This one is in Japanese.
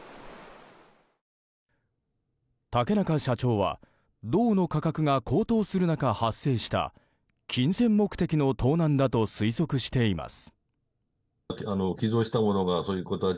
竹中社長は銅の価格が高騰する中発生した、金銭目的の盗難だと推測しています。